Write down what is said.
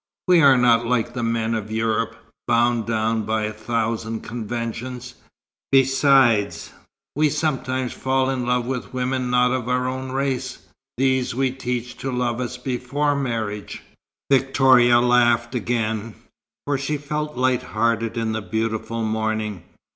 We are not like the men of Europe, bound down by a thousand conventions. Besides, we sometimes fall in love with women not of our own race. These we teach to love us before marriage." Victoria laughed again, for she felt light hearted in the beautiful morning.